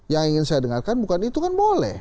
yang ingin saya dengarkan bukan itu kan boleh